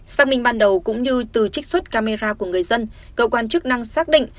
xác minh ban đầu cũng như từ trích xuất camera của người dân cơ quan chức năng xác định